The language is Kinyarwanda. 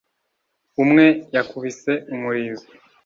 Umwe yakubise umurizo